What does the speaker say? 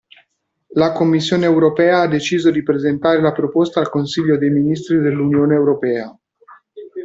La Commissione Europea ha deciso di presentare la proposta al Consiglio dei Ministri dell'Unione Europea.